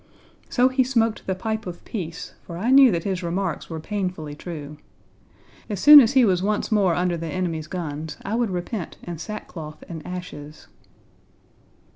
So he smoked the pipe of peace, for I knew that his remarks Page 70 were painfully true. As soon as he was once more under the enemy's guns, I would repent in sackcloth and ashes.